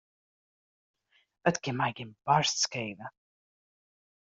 It kin my gjin barst skele.